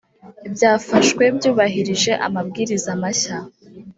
byafashwe byubahirije amabwiriza mashya